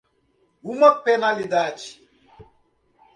Uma penalidade.